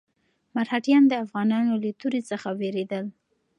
مرهټیان د افغانانو له تورې څخه وېرېدل.